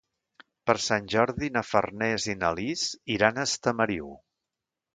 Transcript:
Per Sant Jordi na Farners i na Lis iran a Estamariu.